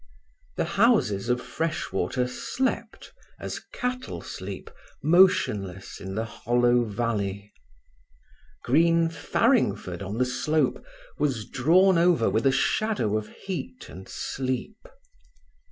The houses of Freshwater slept, as cattle sleep motionless in the hollow valley. Green Farringford on the slope, was drawn over with a shadow of heat and sleep.